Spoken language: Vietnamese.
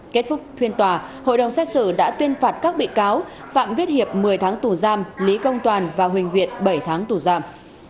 kết thúc phiên tòa hội đồng xét xử đã tuyên phạt các bị cáo phạm viết hiệp một mươi tháng tù giam lý công toàn và huỳnh việt bảy tháng tù giam